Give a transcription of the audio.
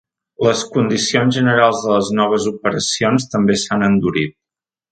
Les condicions generals de les noves operacions també s’han endurit.